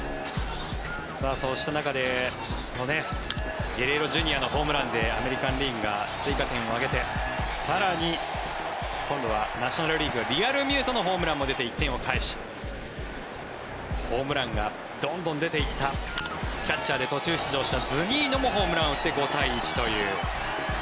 そうした中でゲレーロＪｒ．のホームランでアメリカン・リーグが追加点を挙げて更に今度はナショナル・リーグのリアルミュートのホームランも出て１点を返しホームランがどんどん出ていったキャッチャーで途中出場したズニーノもホームランを打って５対１という。